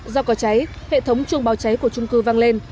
do có cháy hệ thống chuông báo cháy của trung cư văng lên